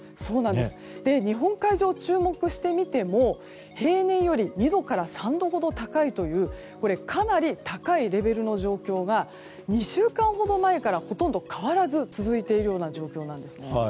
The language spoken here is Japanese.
日本海上を注目してみても平年より２度から３度ほど高いというかなり高いレベルの状況が２週間ほど前からほとんど変わらず続いているような状況なんです。